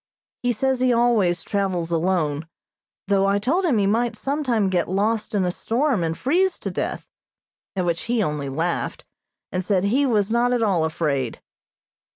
He says he always travels alone, though I told him he might sometime get lost in a storm and freeze to death, at which he only laughed, and said he was not at all afraid.